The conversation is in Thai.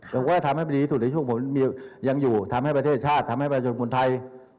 แต่ว่าทำให้ดีสุดในช่วงผมยังอยู่ทำให้ประเทศชาติทำให้ประชุมภูมิไทย